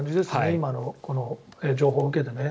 今の情報を受けてね。